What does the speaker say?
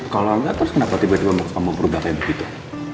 kalau enggak terus kenapa tiba tiba kamu berubah kayak begitu